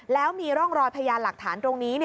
แล้วมีร่องรอยพยานหลักฐานตรงนี้